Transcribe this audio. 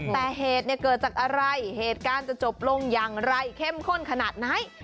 แต่เหตุเนี่ยเกิดจากอะไรเหตุการณ์จะจบลงอย่างไรเข้มข้นขนาดไหน